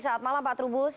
selamat malam pak trubus